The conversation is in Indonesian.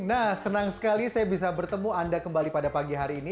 nah senang sekali saya bisa bertemu anda kembali pada pagi hari ini